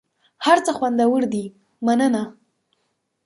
هر څه خوندور دي مننه .